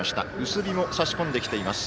薄日もさし込んできています。